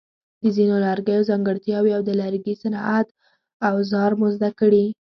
د ځینو لرګیو ځانګړتیاوې او د لرګي صنعت اوزار مو زده کړي.